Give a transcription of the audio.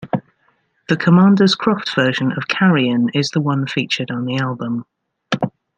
The Commander's Croft version of "Carrion" is the one featured on the album.